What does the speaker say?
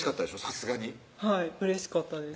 さすがにはいうれしかったです